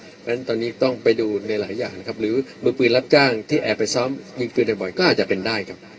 เพราะฉะนั้นตอนนี้ต้องไปดูในหลายอย่างนะครับหรือมือปืนรับจ้างที่แอบไปซ้อมยิงปืนบ่อยก็อาจจะเป็นได้ครับ